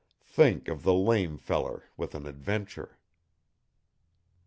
Think of the lame feller with an Adventure!